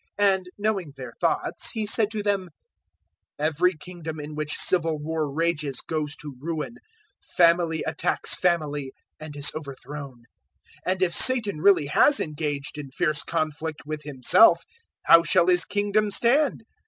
011:017 And, knowing their thoughts, He said to them, "Every kingdom in which civil war rages goes to ruin: family attacks family and is overthrown. 011:018 And if Satan really has engaged in fierce conflict with himself, how shall his kingdom stand?